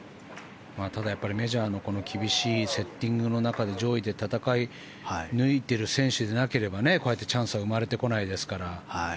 ただ、メジャーの厳しいセッティングの中で上位で戦い抜いている選手でなければこうやってチャンスは生まれてこないですから。